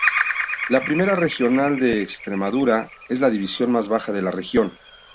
La Primera Regional de Extremadura es la división más baja de la región.